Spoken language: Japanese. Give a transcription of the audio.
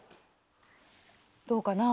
どうかな？